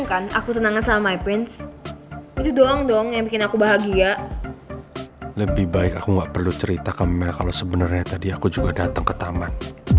aku gak perlu cerita ke mel kalau sebenernya tadi aku juga datang ke taman